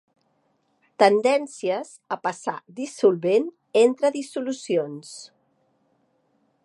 Tendències a passar dissolvent entre dissolucions.